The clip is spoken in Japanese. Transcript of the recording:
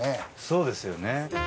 そうですよね。